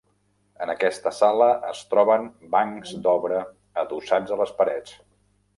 En aquesta sala es troben bancs d'obra adossats a les parets.